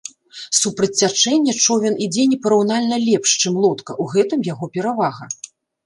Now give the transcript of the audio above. Супраць цячэння човен ідзе непараўнальна лепш, чым лодка, у гэтым яго перавага.